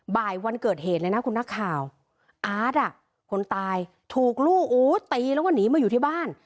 บ่ายวันเกิดเหตุเลยนะคุณนักข่าวอาร์ตคนตายถูกลูกตีแล้วก็หนีมาอยู่ที่บ้าน